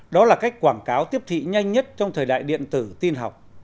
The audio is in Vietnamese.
đó là cách quảng cáo tiếp thị nhanh nhất trong thời đại điện tử tin học